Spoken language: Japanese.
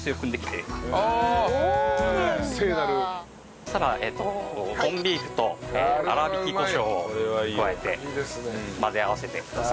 そしたらコンビーフと粗挽きコショウを加えて混ぜ合わせてください。